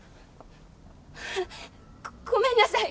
ごごめんなさい！